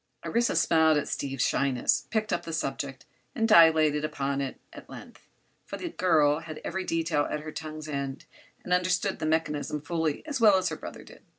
Orissa, smiling at Steve's shyness, picked up the subject and dilated upon it at length, for the girl had every detail at her tongue's end and understood the mechanism fully as well as her brother did.